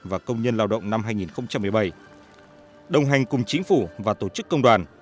và công nhân lao động năm hai nghìn một mươi bảy đồng hành cùng chính phủ và tổ chức công đoàn